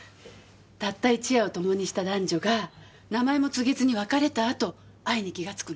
たった一夜を共にした男女が名前も告げずに別れた後愛に気がつくの。